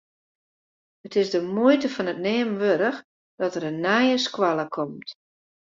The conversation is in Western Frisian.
It is de muoite fan it neamen wurdich dat der in nije skoalle komt.